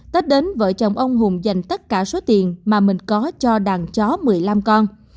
tết đến vợ chồng ông hùng dành tất cả số tiền mà mình có cho đàn chó một mươi năm con